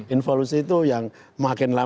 involusi itu yang makin lama